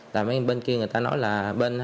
tại mấy bên kia người ta nói là bên hai